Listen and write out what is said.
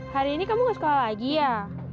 hari ini kamu gak sekolah lagi ya